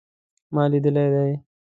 ما لیدلی دی